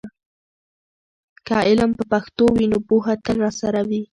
که علم په پښتو وي، نو پوهه تل راسره وي.